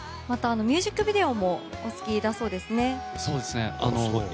また、ミュージックビデオもお好きだそうですね。